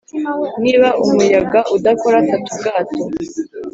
niba umuyaga udakora, fata ubwato